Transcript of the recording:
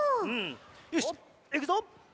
よしいくぞ！